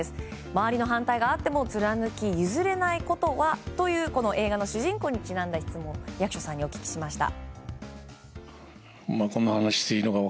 周りの反対があっても貫き譲れないことは？というこの映画にちなんだ質問を役所さんにお聞きしました。